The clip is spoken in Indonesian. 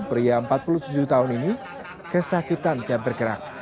pria empat puluh tujuh tahun ini kesakitan tiap bergerak